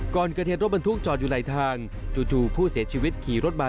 ก่อนเกิดเหตุรถบรรทุกจอดอยู่หลายทางจู่ผู้เสียชีวิตขี่รถมา